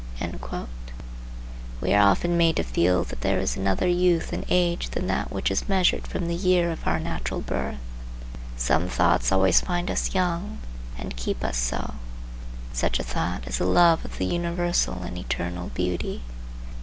We are often made to feel that there is another youth and age than that which is measured from the year of our natural birth. Some thoughts always find us young, and keep us so. Such a thought is the love of the universal and eternal beauty.